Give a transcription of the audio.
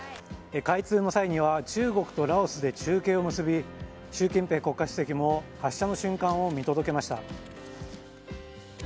開通の際には、中国とラオスで中継を結び、習近平国家主席も発車の瞬間を見届けました。